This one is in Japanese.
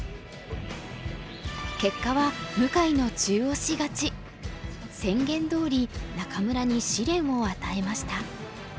結果は宣言どおり仲邑に試練を与えました。